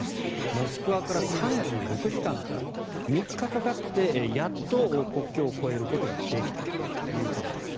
モスクワから３６時間かかった３日かかってやっと国境を越えることができたということです。